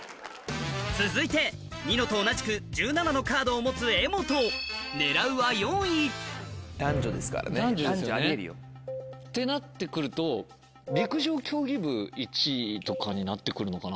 続いてニノと同じく１７のカードを持つ柄本男女ですよねってなって来ると陸上競技部１位とかになって来るのかな？